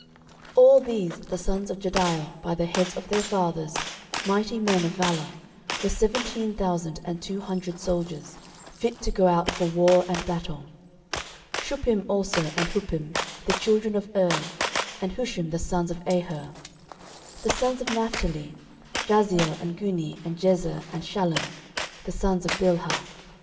13:007:011 All these the sons of Jediael, by the heads of their fathers, mighty men of valour, were seventeen thousand and two hundred soldiers, fit to go out for war and battle. 13:007:012 Shuppim also, and Huppim, the children of Ir, and Hushim, the sons of Aher. 13:007:013 The sons of Naphtali; Jahziel, and Guni, and Jezer, and Shallum, the sons of Bilhah.